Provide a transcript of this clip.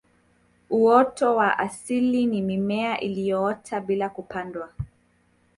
uoto wa asili ni mimea iliyoota bila kupandwa